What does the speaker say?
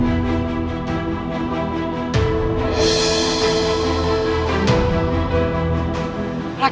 aku yang memhaltikan siang aku